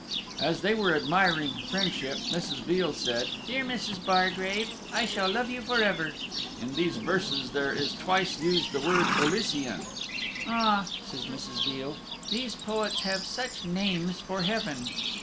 As they were admiring Friendship, Mrs. Veal said, "Dear Mrs. Bargrave, I shall love you forever." In these verses there is twice used the word "Elysian." "Ah!" says Mrs. Veal, "these poets have such names for Heaven."